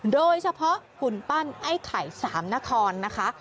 โดยเฉพาะหุ่นปั้นไอ้ไข่สามนครนะคะ